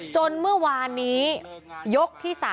จนเมื่อวานนี้ยกที่๓